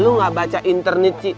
lu ga baca internet sih